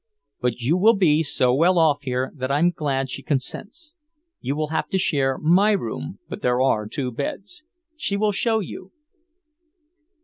But you will be so well off here that I'm glad she consents. You will have to share my room, but there are two beds. She will show you."